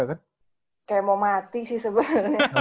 kayak mau mati sih sebenarnya